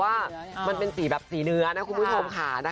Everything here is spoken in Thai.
ใช่มันเป็นสีแบบสีเนื้อนะ